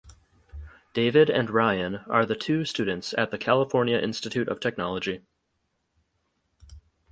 David and Ryan are the two students at the California Institute of Technology.